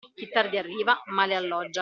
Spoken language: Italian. Chi tardi arriva, male alloggia.